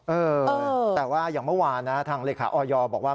เออแต่ว่าอย่างเมื่อวานนะทางเลขาออยบอกว่า